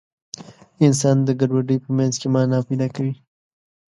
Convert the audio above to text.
انسان د ګډوډۍ په منځ کې مانا پیدا کوي.